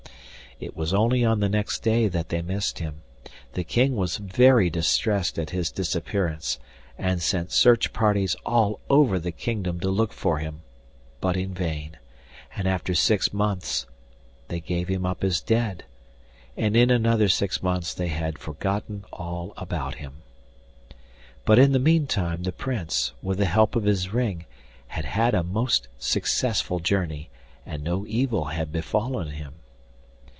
It was only on the next day that they missed him; the King was very distressed at his disappearance, and sent search parties all over the kingdom to look for him, but in vain; and after six months they gave him up as dead, and in another six months they had forgotten all about him. But in the meantime the Prince, with the help of his ring, had had a most successful journey, and no evil had befallen him.